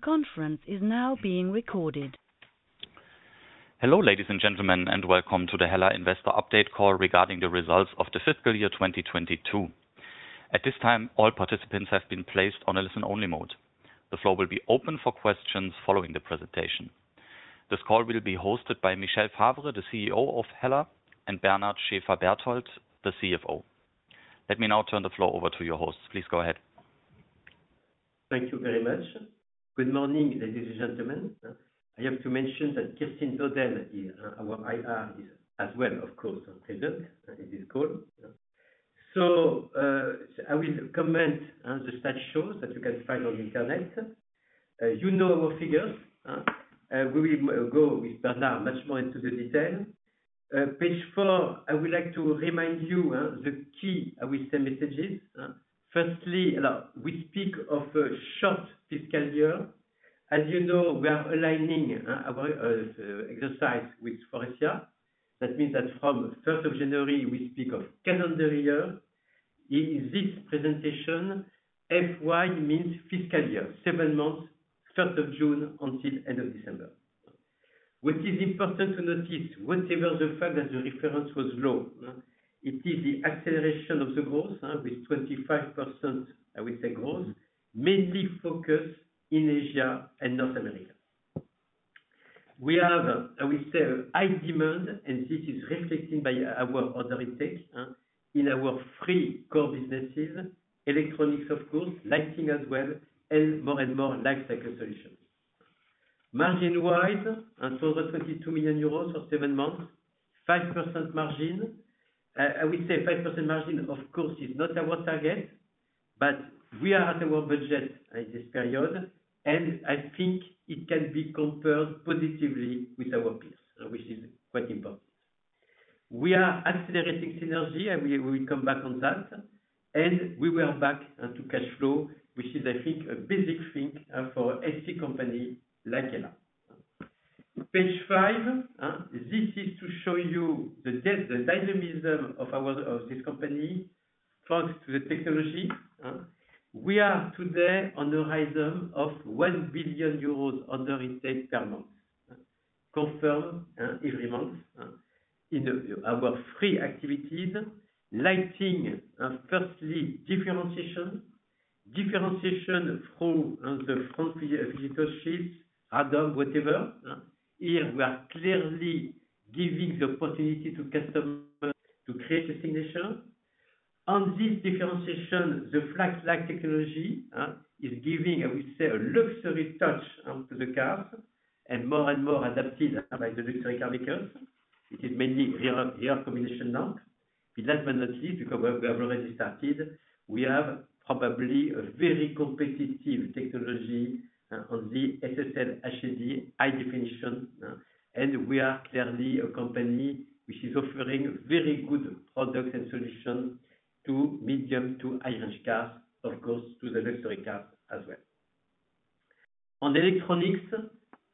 Hello, ladies and gentlemen, welcome to the HELLA Investor Update Call regarding the results of the fiscal year 2022. At this time, all participants have been placed on a listen-only mode. The floor will be open for questions following the presentation. This call will be hosted by Michel Favre, the CEO of HELLA, and Bernard Schäferbarthold, the CFO. Let me now turn the floor over to your hosts. Please go ahead. Thank you very much. Good morning, ladies and gentlemen. I have to mention that Kerstin Dodel is our IR as well, of course, present in this call. I will comment on the stat shows that you can find on the Internet. You know our figures, we will go with Bernard much more into the detail. Page four, I would like to remind you, the key, I will say messages. Firstly, we speak of a short fiscal year. As you know, we are aligning our exercise with Faurecia. That means that from first of January, we speak of calendar year. In this presentation, FY means fiscal year, seven months, 1st of June until end of December. What is important to notice, whatever the fact that the reference was low, it is the acceleration of the growth, with 25%, I will say growth, mainly focused in Asia and North America. We have, I will say, high demand, and this is reflected by our order intake in our three core businesses, Electronics of course, Lighting as well, and more and more Lifecycle Solutions. Margin-wise, for the EUR 22 million for seven months, 5% margin. I will say 5% margin, of course, is not our target, but we are at our budget in this period, and I think it can be compared positively with our peers, which is quite important. We are accelerating synergy, and we will come back on that, and we are back to cash flow, which is, I think, a basic thing for SC company like HELLA. Page five, this is to show you the dynamism of our, of this company thanks to the technology. We are today on the rhythm of 1 billion euros order intake per month. Confirmed every month in our three activities. Lighting, firstly differentiation. Differentiation through the Front Phygital Shields and other we develop. Here we are clearly giving the opportunity to customers to create a signature. On this differentiation, the FlatLight technology is giving, I will say, a luxury touch onto the cars and more and more adapted by the luxury car makers. It is mainly rear combination now. Last but not least, because we have already started, we have probably a very competitive technology on the SSL HD high definition. We are clearly a company which is offering very good products and solutions to medium to high range cars, of course, to the luxury cars as well. On Electronics,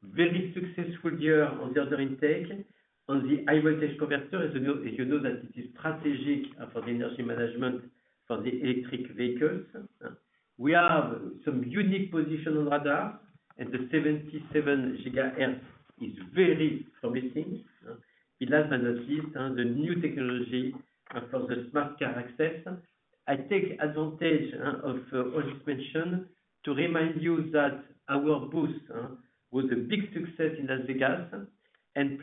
very successful year on the order intake. On the high-voltage converter, as you know that it is strategic for the energy management for the electric vehicles. We have some unique position on radar. The 77 GHz is very promising. Last but not least, the new technology for the Smart Car Access. I take advantage of Olivier's mention to remind you that our booth was a big success in Las Vegas.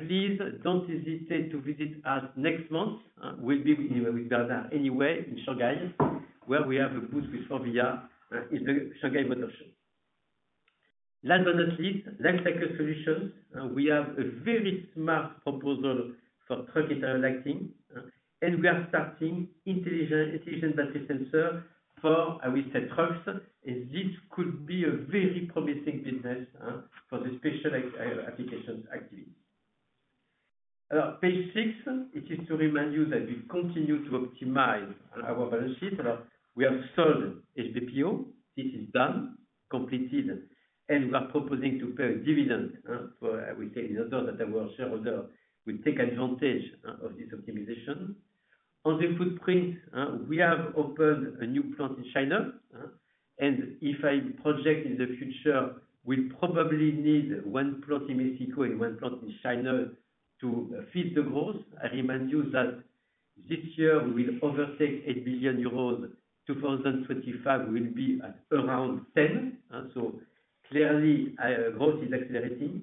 Please don't hesitate to visit us next month. We'll be with Bernard anyway in Shanghai, where we have a booth with Faurecia in the Shanghai Motor Show. Last but not least, Lifecycle Solutions. We have a very smart proposal for truck internal lighting, and we are starting Intelligent Battery Sensor for, I will say, trucks. This could be a very promising business for the Special Applications activity. Page six. It is to remind you that we continue to optimize our balance sheet. We have sold HBPO. This is done, completed, and we are proposing to pay a dividend. For, I will say in order that our shareholder will take advantage of this optimization. On the footprint, we have opened a new plant in China. If I project in the future, we'll probably need one plant in Mexico and one plant in China to fit the growth. I remind you that this year we will overtake 8 billion euros. 2025 will be around 10 billion. Clearly, growth is accelerating.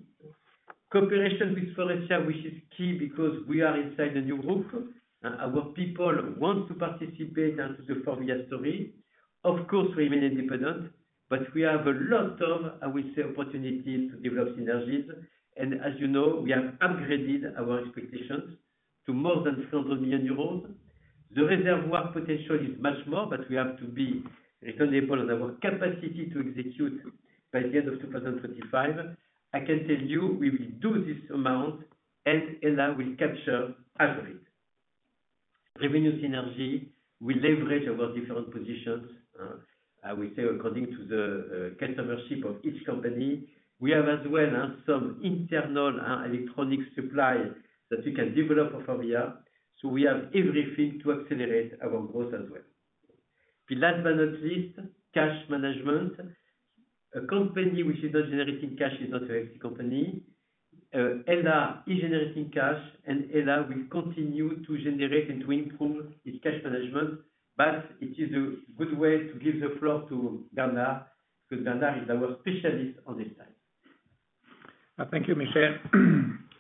Cooperation with Faurecia, which is key because we are inside a new group. Our people want to participate into the Faurecia story. Of course, we remain independent, but we have a lot of, I will say, opportunities to develop synergies. As you know, we have upgraded our expectations to more than 400 million euros. The reservoir potential is much more, but we have to be dependable on our capacity to execute by the end of 2025. I can tell you we will do this amount, and HELLA will capture all of it. Revenue synergy, we leverage our different positions. I will say according to the customership of each company. We have as well some internal electronic supply that we can develop for Faurecia. We have everything to accelerate our growth as well. The last but not least, cash management. A company which is not generating cash is not a healthy company. HELLA is generating cash and HELLA will continue to generate and to improve its cash management. It is a good way to give the floor to Bernard, because Bernard is our specialist on this side. Thank you, Michel.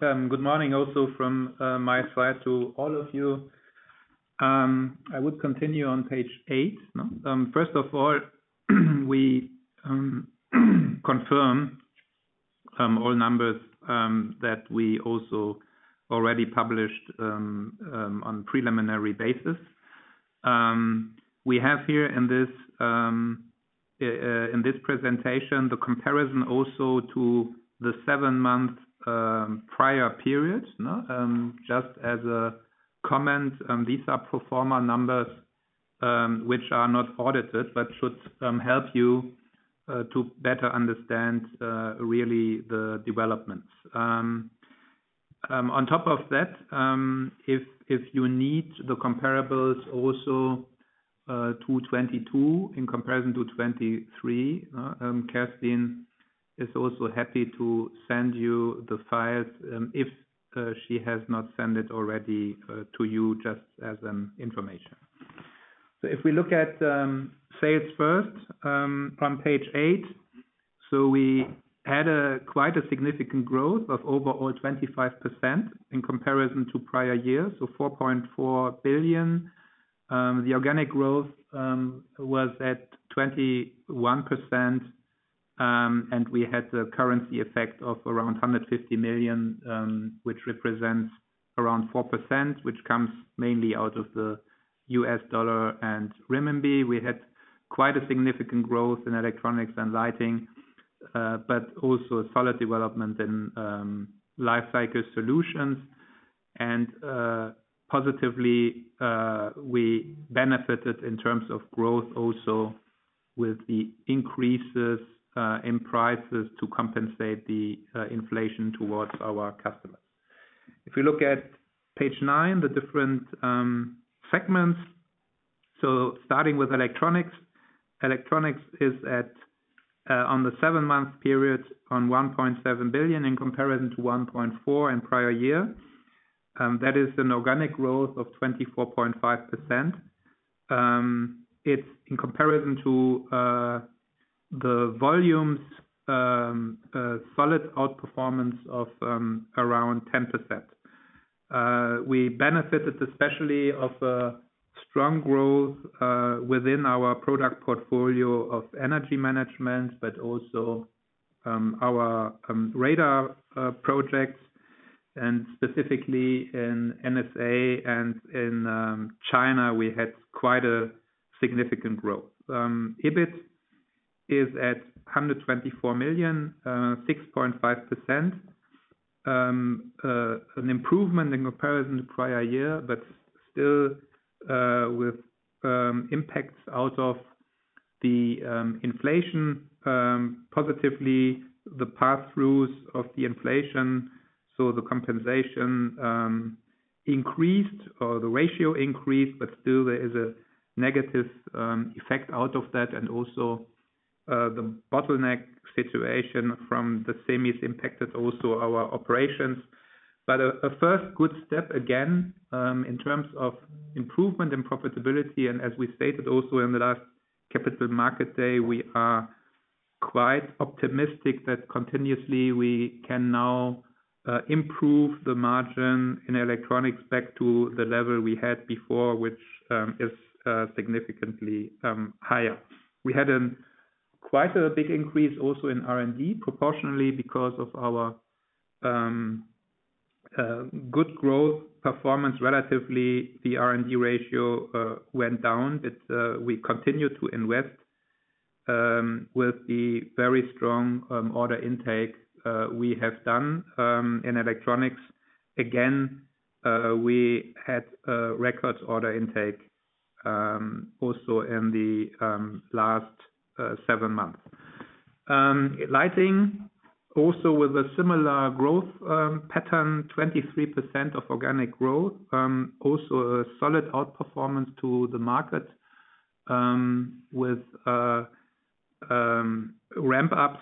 Good morning also from my side to all of you. I would continue on page eight. First of all, we confirm all numbers that we also already published on preliminary basis. We have here in this presentation, the comparison also to the seven-month prior period, no? Just as a comment, these are pro forma numbers which are not audited, but should help you to better understand really the developments. On top of that, if you need the comparables also to 2022 in comparison to 2023, Kerstin is also happy to send you the files if she has not sent it already to you, just as an information. If we look at sales first, from page eight, we had a quite a significant growth of overall 25% in comparison to prior years, 4.4 billion. The organic growth was at 21%, we had the currency effect of around 150 million, which represents around 4%, which comes mainly out of the U.S. dollar and renminbi. We had quite a significant growth in Electronics and Lighting, but also a solid development in Lifecycle Solutions. Positively, we benefited in terms of growth also with the increases in prices to compensate the inflation towards our customers. If you look at page nine, the different segments. Starting with Electronics. Electronics is at on the seven-month period on 1.7 billion in comparison to 1.4 billion in prior year. That is an organic growth of 24.5%. It's in comparison to the volumes, solid outperformance of around 10%. We benefited especially of strong growth within our product portfolio of energy management, but also our radar projects, and specifically in NSA and in China, we had quite a significant growth. EBIT is at 124 million, 6.5%, an improvement in comparison to prior year, but still with impacts out of the inflation, positively the pass-throughs of the inflation. The compensation increased or the ratio increased, but still there is a negative effect out of that, and also the bottleneck situation from the same is impacted also our operations. A first good step again in terms of improvement in profitability, and as we stated also in the last Capital Markets Day, we are quite optimistic that continuously we can now improve the margin in Electronics back to the level we had before, which is significantly higher. We had quite a big increase also in R&D, proportionally because of our good growth performance. Relatively, the R&D ratio went down. We continue to invest with the very strong order intake we have done in Electronics. Again, we had records order intake, also in the last seven months. Lighting also with a similar growth pattern, 23% of organic growth. Also a solid outperformance to the market, with ramp-ups,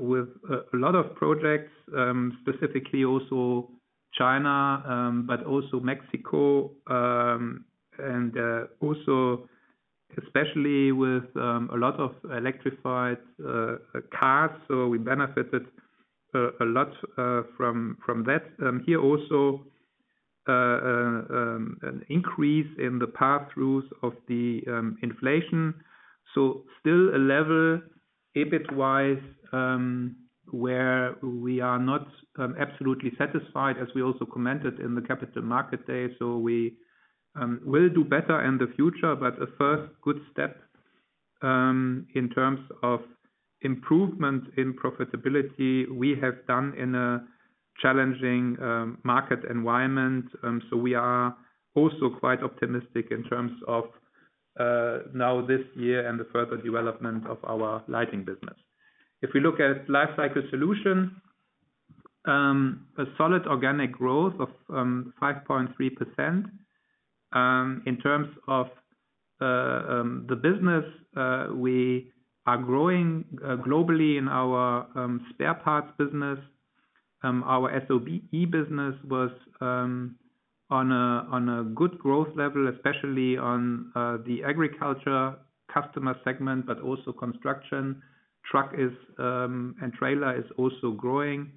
with a lot of projects, specifically also China, but also Mexico, and also especially with a lot of electrified cars. We benefited a lot from that. Here also an increase in the pass-throughs of the inflation. Still a level EBIT-wise, where we are not absolutely satisfied, as we also commented in the Capital Markets Day. We will do better in the future. A first good step in terms of improvement in profitability we have done in a challenging market environment. We are also quite optimistic in terms of now this year and the further development of our Lighting business. If we look at Lifecycle Solutions. A solid organic growth of 5.3%. In terms of the business, we are growing globally in our spare parts business. Our SOE business was on a good growth level, especially on the agriculture customer segment, but also construction. Truck is and trailer is also growing,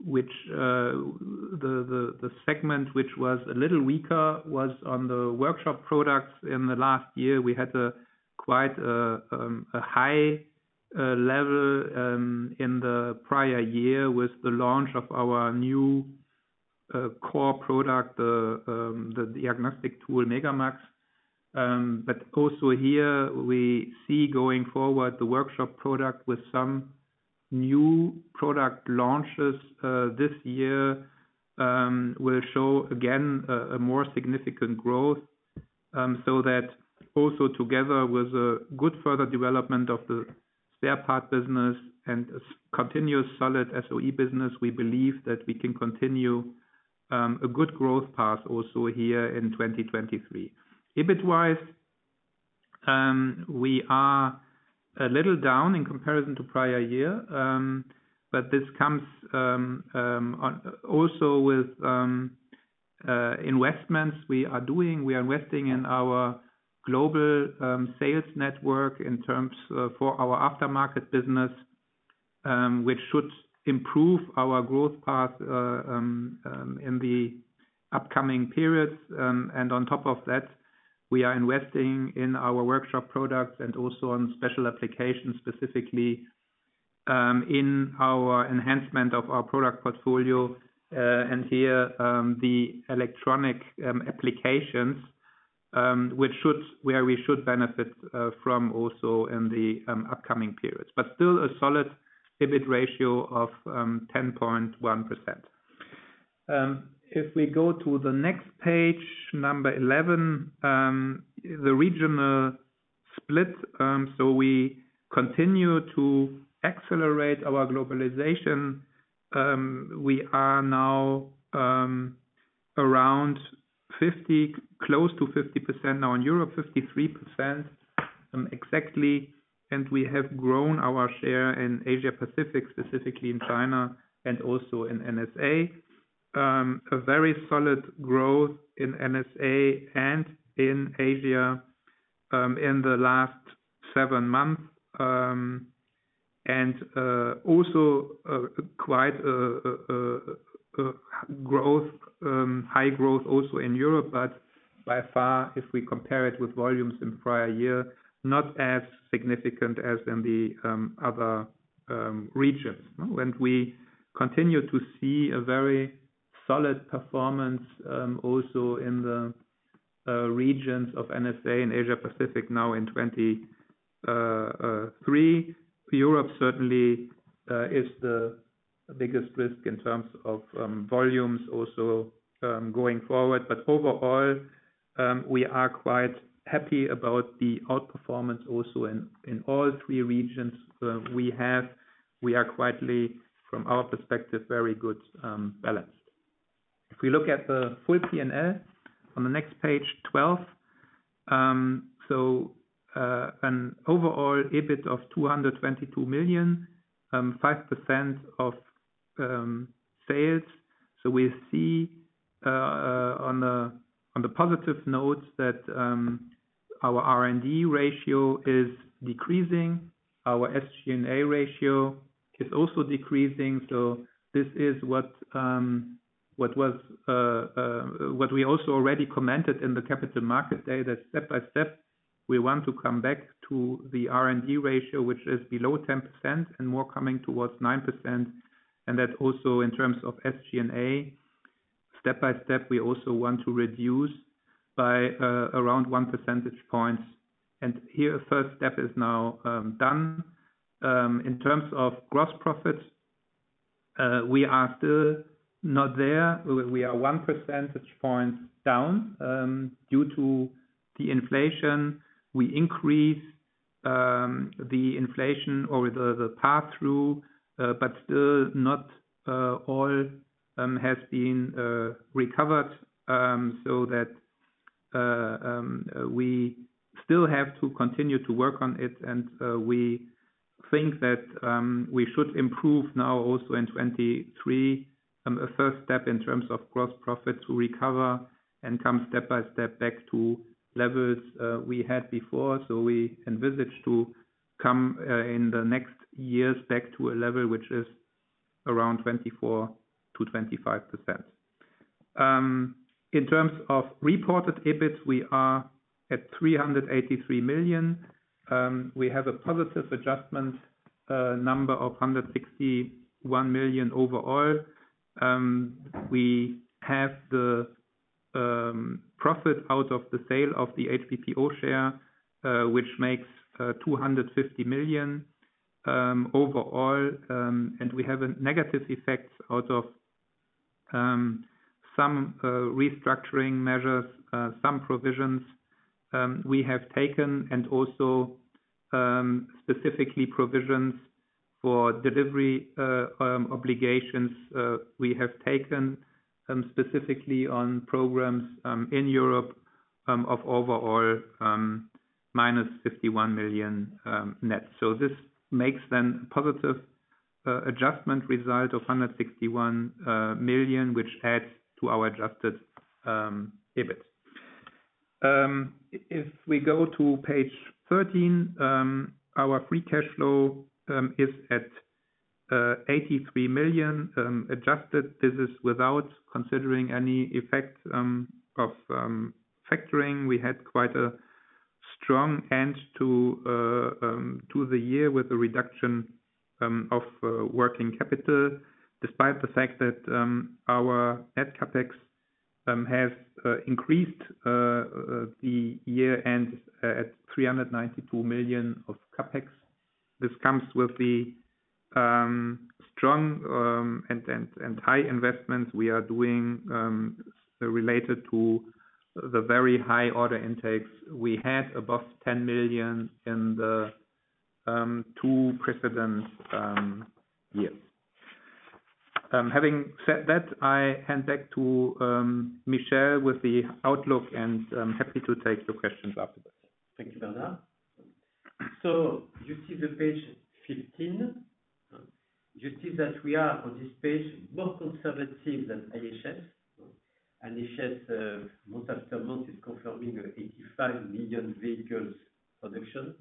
which the segment which was a little weaker was on the workshop products. In the last year, we had quite a high level in the prior year with the launch of our new core product, the diagnostic tool, mega macs. Also here we see going forward the workshop product with some new product launches this year, will show again a more significant growth. That also together with a good further development of the spare part business and continuous solid SOE business, we believe that we can continue a good growth path also here in 2023. EBIT-wise, we are a little down in comparison to prior year, but this comes also with investments we are doing. We are investing in our global sales network in terms for our aftermarket business, which should improve our growth path in the upcoming periods. We are investing in our workshop products and also on Special Applications, specifically, in our enhancement of our product portfolio, and here, the electronic applications, where we should benefit from also in the upcoming periods. Still a solid EBIT ratio of 10.1%. If we go to the next page, number 11, the regional split. We continue to accelerate our globalization. We are now around 50%, close to 50% now in Europe, 53%, exactly. We have grown our share in Asia-Pacific, specifically in China and also in NSA. A very solid growth in NSA and in Asia, in the last seven months. Also, quite growth, high growth also in Europe, but by far, if we compare it with volumes in prior year, not as significant as in the other regions. We continue to see a very solid performance, also in the regions of NSA and Asia-Pacific now in 2023. Europe certainly is the biggest risk in terms of volumes also going forward. Overall, we are quite happy about the outperformance also in all three regions, we have. We are quietly, from our perspective, very good, balanced. If we look at the full P&L on the next page, 12. An overall EBIT of 222 million, 5% of sales. We see on the positive notes that our R&D ratio is decreasing. Our SG&A ratio is also decreasing. This is what we also already commented in the Capital Markets Day, that step by step, we want to come back to the R&D ratio, which is below 10% and more coming towards 9%. That also in terms of SG&A, step-by-step, we also want to reduce by around 1 percentage point. Here, first step is now done. In terms of gross profits, we are still not there. We are 1 percentage point down due to the inflation. We increase the inflation over the pass-through. Still not all has been recovered. We still have to continue to work on it. We think that we should improve now also in 2023, a first step in terms of gross profit to recover and come step by step back to levels we had before. We envisage to come in the next years back to a level which is around 24%-25%. In terms of reported EBIT, we are at 383 million. We have a positive adjustment number of 161 million overall. We have the profit out of the sale of the HBPO share, which makes 250 million overall. We have a negative effect out of some restructuring measures, some provisions we have taken and also specifically provisions for delivery obligations we have taken specifically on programs in Europe of overall -51 million net. This makes then positive adjustment result of 161 million, which adds to our adjusted EBIT. If we go to page 13, our free cash flow is at 83 million adjusted. This is without considering any effect of factoring. We had quite a strong end to the year with a reduction of working capital, despite the fact that our net CapEx has increased the year-end at 392 million of CapEx. This comes with the strong and high investments we are doing related to the very high order intakes we had above 10 million in the two precedent years. Having said that, I hand back to Michel with the outlook, and I'm happy to take the questions afterwards. Thank you, Bernard. You see the page 15. You see that we are, on this page, more conservative than AFS. AFS, month after month is confirming 85 million vehicles production,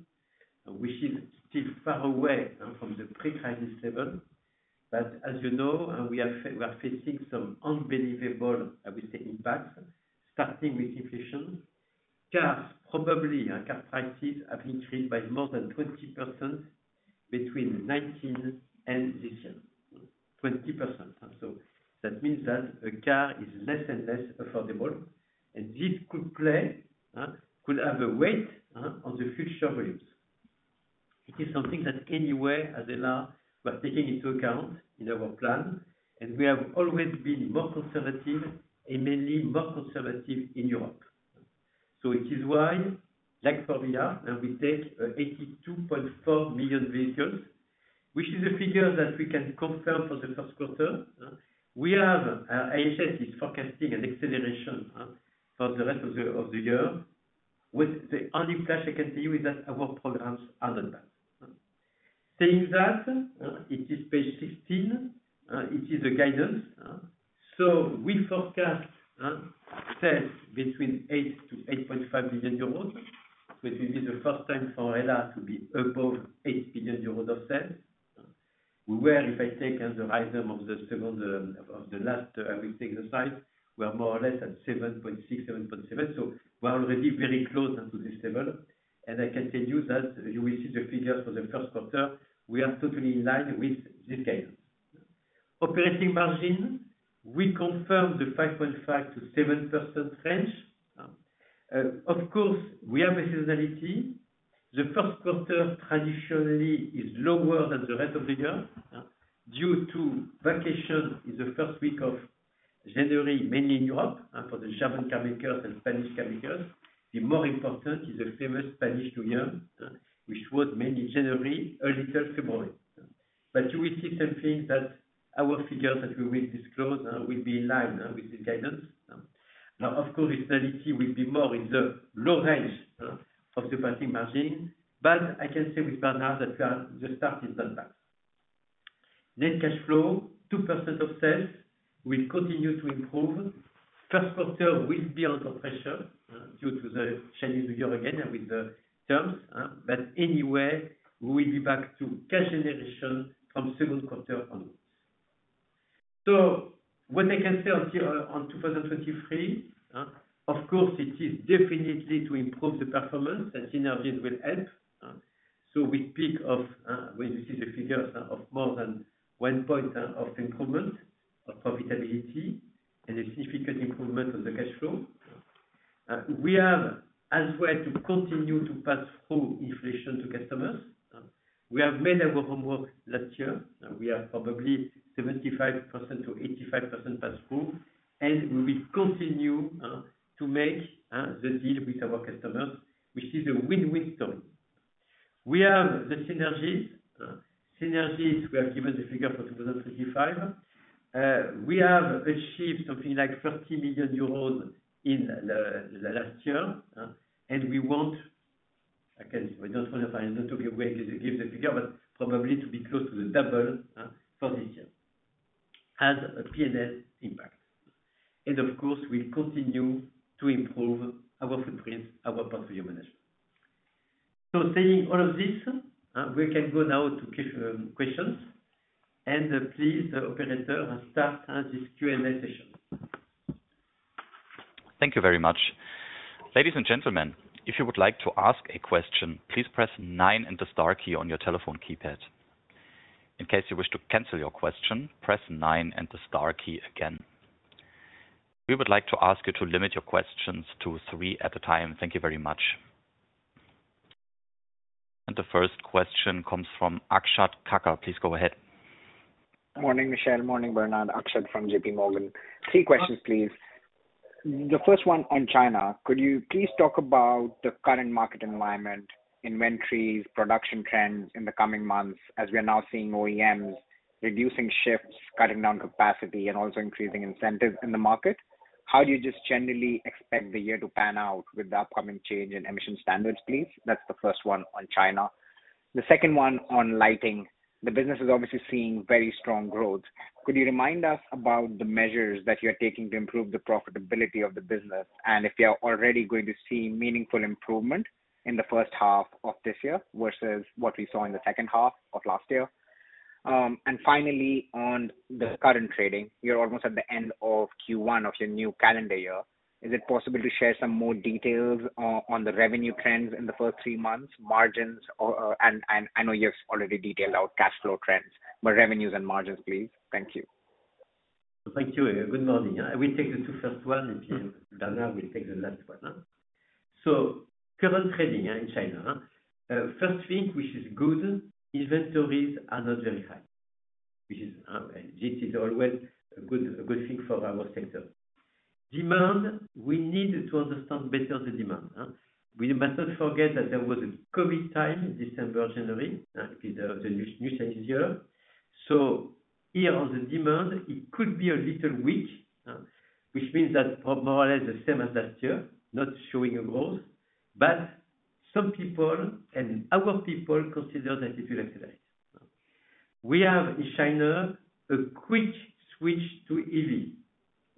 which is still far away from the pre-crisis level. As you know, we are facing some unbelievable, I would say, impacts, starting with inflation. Cars, probably, car prices have increased by more than 20% between 2019 and this year. 20%. That means that a car is less and less affordable, and this could play, could have a weight, on the future volumes. It is something that anyway, as HELLA, we are taking into account in our plan, and we have always been more conservative, and mainly more conservative in Europe. It is why, like for the year, we take 82.4 million vehicles, which is a figure that we can confirm for the first quarter. We have AFS is forecasting an acceleration for the rest of the year, with the only caution I can tell you is that our programs are not bad. Saying that, it is page 15, it is a guidance. We forecast sales between 8 billion-8.5 billion euros, which will be the first time for HELLA to be above 8 billion euros of sales. We were, if I take the rhythm of the second of the last, I will take the slide. We are more or less at 7.6 billion, 7.7 billion. We are already very close to this level. I can tell you that you will see the figures for the first quarter. We are totally in line with this guidance. Operating margin, we confirm the 5.5%-7% range. Of course, we have seasonality. The first quarter traditionally is lower than the rest of the year, due to vacation in the first week of January, mainly in Europe, for the German car makers and Spanish car makers. The more important is the famous Chinese New Year, which was mainly January, a little February. You will see something that our figures that we will disclose, will be in line, with the guidance. Of course, seasonality will be more in the low range of the operating margin, but I can say with Bernard that we are just starting from that. Net cash flow, 2% of sales will continue to improve. First quarter will be under pressure due to the Chinese New Year again with the terms. Anyway, we will be back to cash generation from second quarter onwards. What I can say on 2023, of course, it is definitely to improve the performance that synergies will help. We speak of, when you see the figures of more than one point of improvement of profitability and a significant improvement on the cash flow. We have as well to continue to pass-through inflation to customers. We have made our homework last year. We are probably 75%-85% pass-through, and we will continue to make the deal with our customers, which is a win-win story. We have the synergies. Synergies, we have given the figure for 2025. We have achieved something like 30 million euros in the last year, and we want, again, we don't wanna not to be weird, give the figure, but probably to be close to the double for this year. As a P&L impact. Of course, we continue to improve our footprint, our portfolio management. Saying all of this, we can go now to questions. Please, operator, start this Q&A session. Thank you very much. Ladies and gentlemen, if you would like to ask a question, please press nine and the star key on your telephone keypad. In case you wish to cancel your question, press nine and the star key again. We would like to ask you to limit your questions to three at a time. Thank you very much. The first question comes from Akshat Kacker. Please go ahead. Morning, Michel. Morning, Bernard. Akshat from JPMorgan. Three questions, please. The first one on China, could you please talk about the current market environment, inventories, production trends in the coming months as we are now seeing OEMs reducing shifts, cutting down capacity, and also increasing incentives in the market. How do you just generally expect the year to pan out with the upcoming change in emission standards, please? That's the first one on China. The second one on Lighting. The business is obviously seeing very strong growth. Could you remind us about the measures that you're taking to improve the profitability of the business, if you are already going to see meaningful improvement in the first half of this year versus what we saw in the second half of last year? Finally, on the current trading, you're almost at the end of Q1 of your new calendar year. Is it possible to share some more details on the revenue trends in the first three months, margins or... I know you've already detailed out cash flow trends, but revenues and margins, please. Thank you. Thank you. Good morning. I will take the two first one, Bernard will take the last one. Current trading in China. First thing, which is good, inventories are not very high, which is, this is always a good thing for our sector. Demand, we need to understand better the demand, huh? We must not forget that there was a COVID time, December, January, the new Chinese New Year. Here on the demand, it could be a little weak, which means that more or less the same as last year, not showing a growth. Some people and our people consider that it will accelerate. We have in China a quick switch to EV,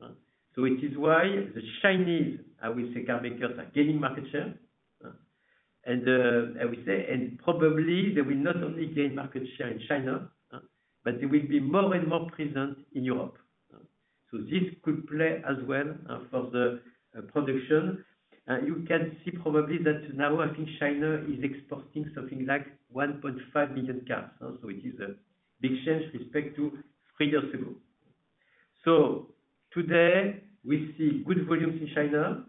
huh? It is why the Chinese, I will say, car makers are gaining market share, huh. I would say, probably they will not only gain market share in China, huh, but they will be more and more present in Europe. This could play as well for the production. You can see probably that now I think China is exporting something like 1.5 million cars. It is a big change respect to three years ago. Today we see good volumes in China.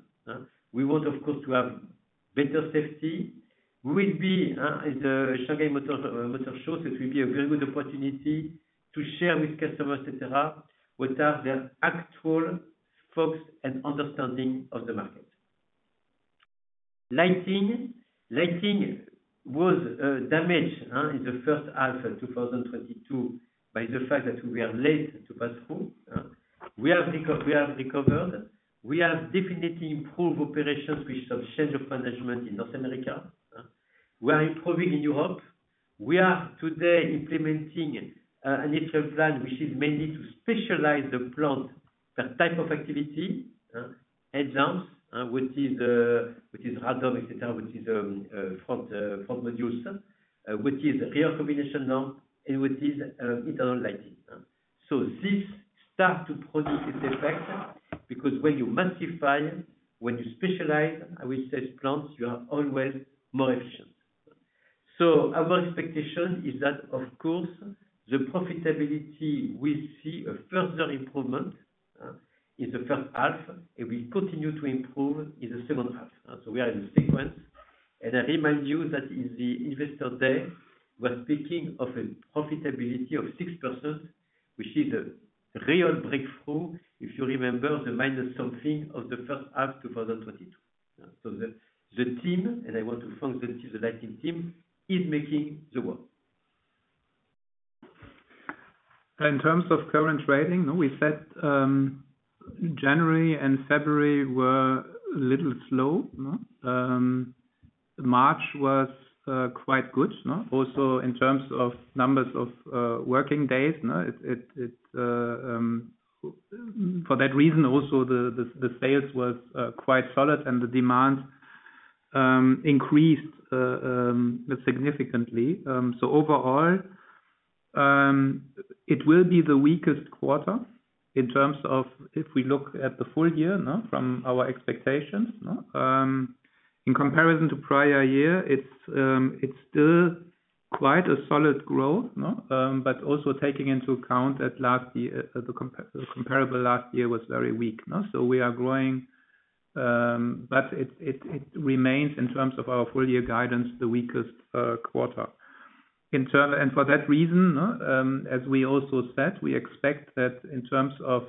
We want, of course, to have better safety. We will be in the Auto Shanghai. It will be a very good opportunity to share with customers, et cetera, what are their actual focus and understanding of the market. Lighting. Lighting was damaged, huh, in the first half of 2022 by the fact that we are late to pass-through, huh? We have recovered. We have definitely improved operations with some change of management in North America, huh? We are improving in Europe. We are today implementing an initial plan which is mainly to specialize the plant, the type of activity, exams, which is, which is random, et cetera, which is front modules, which is rear combination now and which is internal lighting. This start to produce its effect because when you massify, when you specialize, I will say plants, you are always more efficient. Our expectation is that of course the profitability will see a further improvement in the first half. It will continue to improve in the second half. We are in sequence. I remind you that in the Capital Markets Day, we're speaking of a profitability of 6%, which is a real breakthrough if you remember the minus something of the first half 2022. The team, and I want to thank the Lighting team, is making the work. In terms of current trading, we said, January and February were a little slow, no. March was quite good, no. Also in terms of numbers of working days, no. It for that reason also the sales was quite solid and the demand increased significantly. Overall, it will be the weakest quarter in terms of if we look at the full year, no, from our expectations, no. In comparison to prior year, it's still quite a solid growth, no. But also taking into account that last year the comparable last year was very weak, no. We are growing, but it remains in terms of our full year guidance the weakest quarter. For that reason, no, as we also said, we expect that in terms of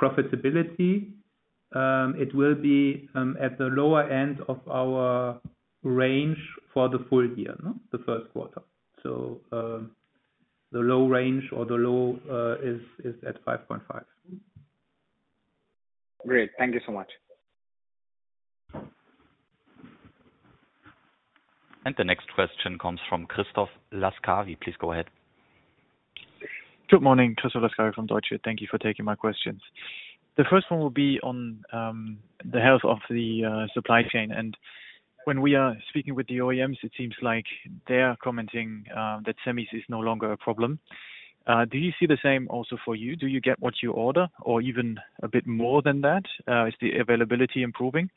profitability, it will be at the lower end of our range for the full year, no, the first quarter. The low range or the low is at 5.5%. Great. Thank you so much. The next question comes from Christoph Laskawi. Please go ahead. Good morning, Christoph Laskawi from Deutsche. Thank you for taking my questions. The first one will be on the health of the supply chain. When we are speaking with the OEMs, it seems like they are commenting that semis is no longer a problem. Do you see the same also for you? Do you get what you order or even a bit more than that? Is the availability improving?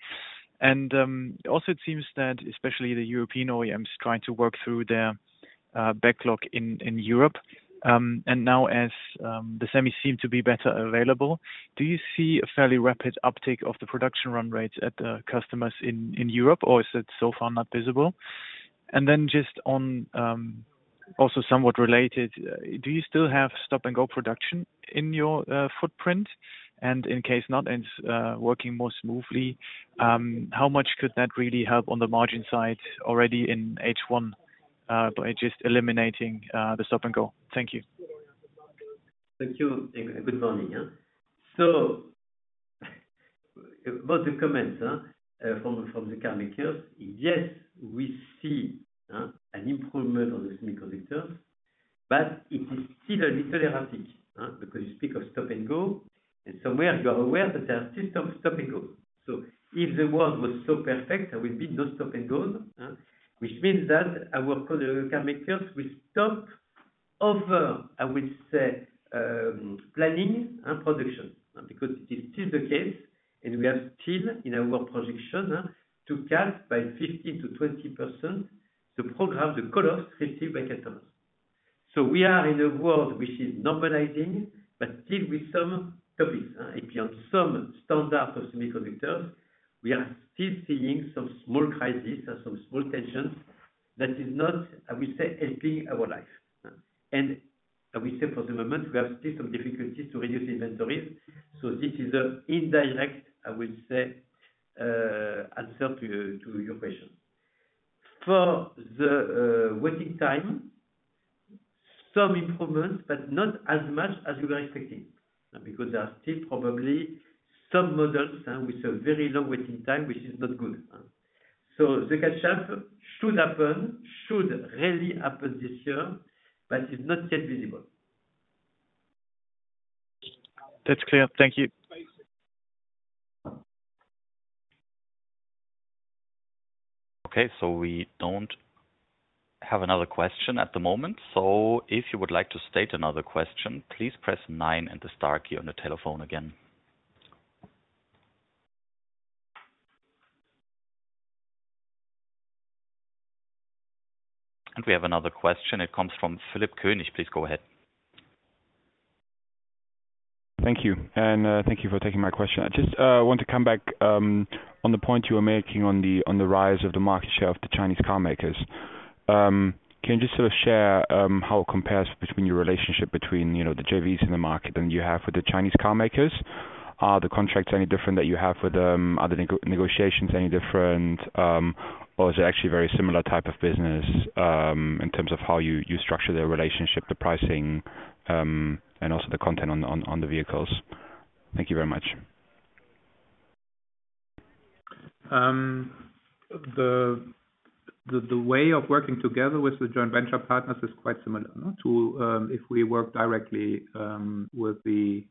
Also it seems that especially the European OEMs trying to work through their backlog in Europe. Now as the semis seem to be better available, do you see a fairly rapid uptake of the production run rates at the customers in Europe or is it so far not visible? Then just on also somewhat related, do you still have stop-and-go production in your footprint? In case not, it's working more smoothly, how much could that really help on the margin side already in H1, by just eliminating the stop-and-go? Thank you. Thank you. Good morning. About the comments from the car makers. Yes, we see an improvement on the semiconductors, but it is still a little erratic because you speak of stop-and-go, and somewhere you are aware that there are still some stop-and-go. If the world was so perfect, there will be no stop-and-go, which means that our car makers will stop over, I will say, planning and production. Because it is still the case, and we are still in our projection to cut by 50%-20% the program, the call-offs, 50% by customers. We are in a world which is normalizing, but still with some topics. If you have some standard of semiconductors, we are still seeing some small crisis and some small tensions. That is not, I will say, helping our life. I will say for the moment, we have still some difficulties to reduce inventories. This is an indirect, I will say, answer to your question. For the waiting time, some improvement, but not as much as you were expecting, because there are still probably some models, huh, with a very low waiting time, which is not good. The catch up should happen, should really happen this year, but it's not yet visible. That's clear. Thank you. Okay, we don't have another question at the moment. If you would like to state another question, please press nine and the star key on the telephone again. We have another question. It comes from Philipp Koenig. Please go ahead. Thank you. Thank you for taking my question. I just want to come back on the point you were making on the rise of the market share of the Chinese car makers. Can you just sort of share how it compares between your relationship, you know, the JVs in the market and you have with the Chinese car makers? Are the contracts any different that you have with them? Are the negotiations any different, or is it actually very similar type of business in terms of how you structure their relationship, the pricing, and also the content on the vehicles? Thank you very much. The way of working together with the joint venture partners is quite similar to if we work directly with the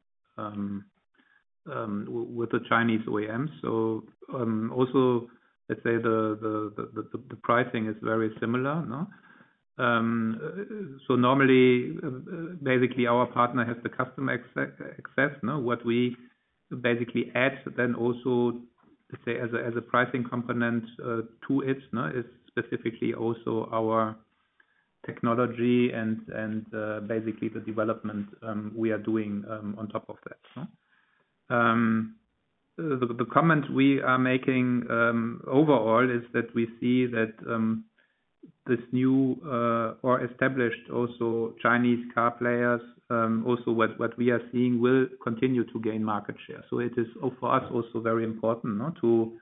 Chinese OEMs. Also, let's say the pricing is very similar. No? Normally, basically our partner has the customer access. No? What we basically add then also, let's say as a pricing component to it. No? Is specifically also our technology and basically the development we are doing on top of that. The comment we are making overall is that we see that this new or established Chinese car players also what we are seeing will continue to gain market share. It is for us also very important to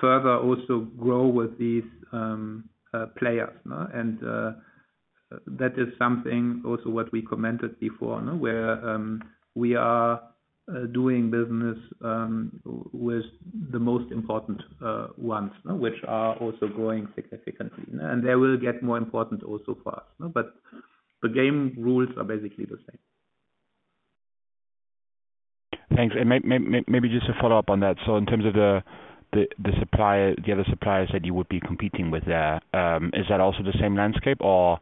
further also grow with these players. That is something also what we commented before, where, we are doing business, with the most important, ones, which are also growing significantly. They will get more important also for us. The game rules are basically the same. Thanks. Maybe just a follow-up on that. In terms of the supplier, the other suppliers that you would be competing with there, is that also the same landscape or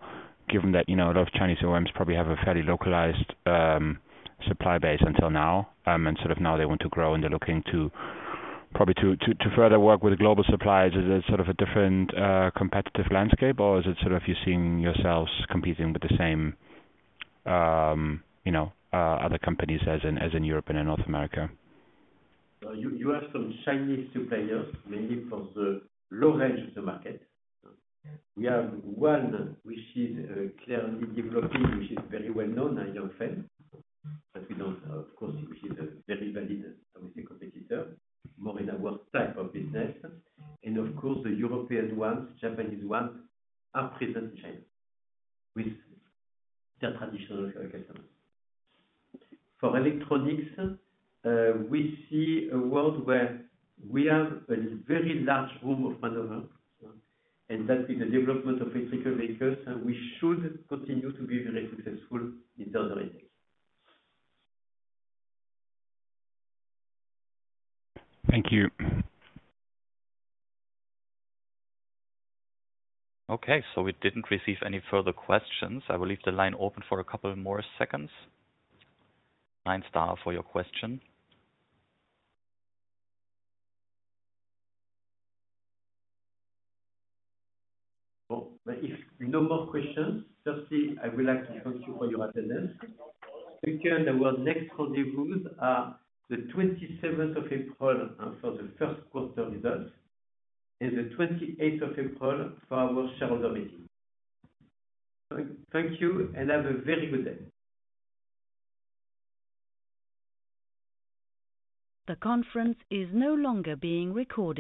given that, you know, a lot of Chinese OEMs probably have a fairly localized supply base until now, and sort of now they want to grow and they're looking to probably to further work with global suppliers. Is it sort of a different competitive landscape, or is it sort of you're seeing yourselves competing with the same, you know, other companies as in, as in Europe and in North America? You have some Chinese suppliers, mainly for the low range of the market. We have one which is clearly developing, which is very well known, Yanfeng, but we don't, of course, which is a very valid, I would say, competitor, more in our type of business. Of course, the European ones, Japanese ones are present in China with their traditional customers. For Electronics, we see a world where we have a very large room of maneuver, and that with the development of electrical makers, we should continue to be very successful in those areas. Thank you. Okay, we didn't receive any further questions. I will leave the line open for a couple more seconds. Nine star for your question. If no more questions, firstly, I would like to thank you for your attendance. Second, our next rendezvous are the 27th of April for the first quarter results and the 28th of April for our shareholder meeting. Thank you and have a very good day. The conference is no longer being recorded.